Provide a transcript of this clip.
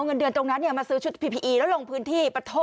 เงินเดือนใช่ไหมคะ